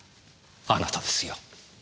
あなたですよ。